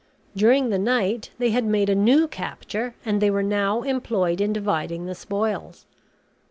During the night they had made a new capture, and they were now employed in dividing the spoils.